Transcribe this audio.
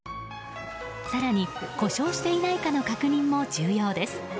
更に故障していないかの確認も重要です。